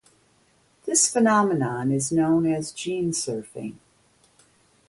This phenomenon is known as gene surfing.